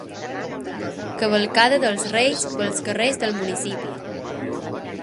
Cavalcada dels reis pels carrers del municipi.